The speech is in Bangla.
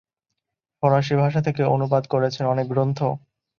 ফরাসি ভাষা থেকে অনুবাদ করেছেন অনেক গ্রন্থ।